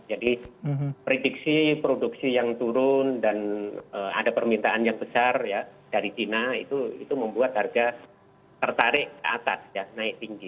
jadi prediksi produksi yang turun dan ada permintaan yang besar ya dari china itu membuat harga tertarik atas ya naik tinggi